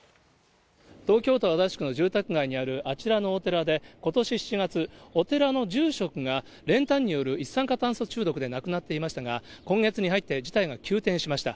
東京都足立区の住宅街にあるあちらのお寺で、ことし７月、お寺の住職が練炭による一酸化炭素中毒で亡くなっていましたが、今月に入って事態が急転しました。